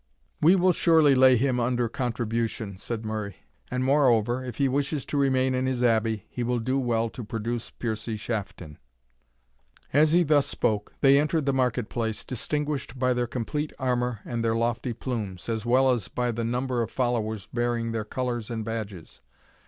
"We will surely lay him under contribution," said Murray; "and, moreover, if he desires to remain in his Abbey, he will do well to produce Piercie Shafton." As he thus spoke, they entered the market place, distinguished by their complete armour and their lofty plumes, as well as by the number of followers bearing their colours and badges.